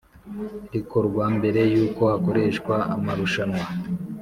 rikorwa mbere y uko hakoreshwa amarushanwa